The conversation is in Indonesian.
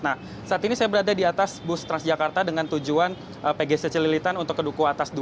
nah saat ini saya berada di atas bus transjakarta dengan tujuan pgc celilitan untuk ke duku atas dua